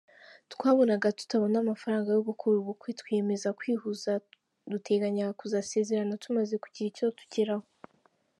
Twabonaga tutabona amafaranga yo gukora ubukwe, twiyemeza kwihuza duteganya kuzasezerana tumaze kugira icyo tugeraho.